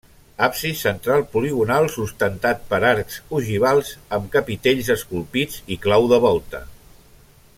Absis central poligonal sustentat per arcs ogivals amb capitells esculpits i clau de volta.